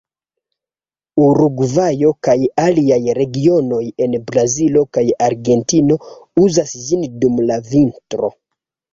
Urugvajo, kaj aliaj regionoj en Brazilo kaj Argentino uzas ĝin dum la vintro.